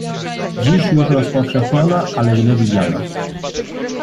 Dziś już rozpowszechniona, ale źle widziana